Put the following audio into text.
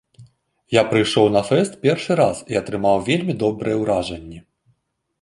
Я прыйшоў на фэст першы раз і атрымаў вельмі добрае ўражанне.